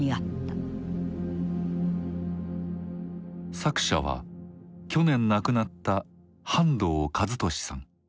作者は去年亡くなった半藤一利さん。